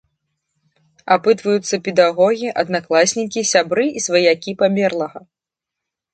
Апытваюцца педагогі, аднакласнікі, сябры і сваякі памерлага.